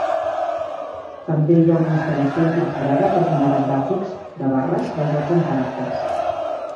També hi ha una instal·lació incorporada per generar gràfics de barres basats en caràcters.